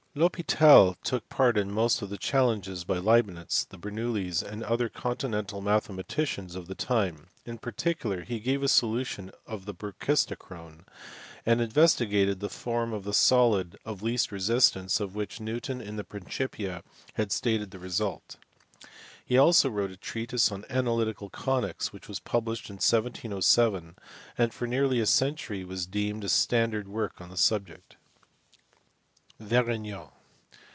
L Hospital took part in most of the challenges issued by Leibnitz, the Bernoullis, and other continental mathe maticians of the time; in particular he gave a solution of the brachistochrone, and investigated the form of the solid of least resistance of which Newton in the Principia had stated the result. He also wrote a treatise on analytical conies which was published in 1707, and for nearly a century deemed a standard work on the subject. Varignon.